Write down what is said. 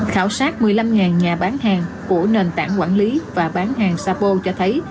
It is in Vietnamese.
khảo sát một mươi năm nhà bán hàng của nền tảng quản lý và bán hàng sapo cho thấy